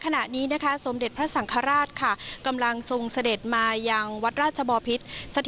ขณะนี้สมเด็จพระสังคราชกำลังทรงเสด็จมาจากวัดราชบอพิษศาสตร์